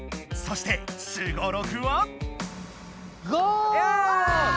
そしてすごろくは？